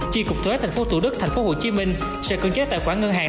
chi cục thuế tp tủ đức tp hcm sẽ cân trách tài khoản ngân hàng